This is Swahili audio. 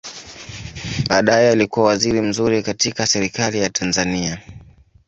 Baadaye alikua waziri mzuri katika Serikali ya Tanzania.